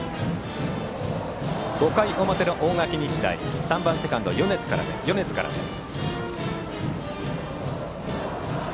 ５回の表の大垣日大３番セカンド、米津からです。